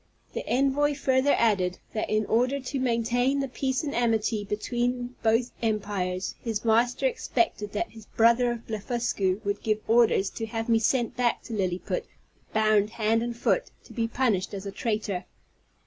The envoy further added, that in order to maintain the peace and amity between both empires, his master expected that his brother of Blefuscu would give orders to have me sent back to Lilliput, bound hand and foot, to be punished as a traitor.